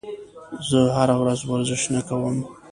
زه هره ورځ ورزش نه کوم.